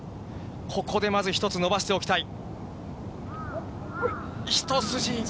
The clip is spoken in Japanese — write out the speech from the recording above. ここでまず１つ、伸ばしておきたい。